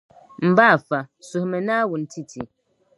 M ba afa, suhimi Naawuni n-ti ti.